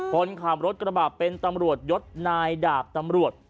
คนขับรถกระบะเป็นตำรวจยศนายดาบตำรวจ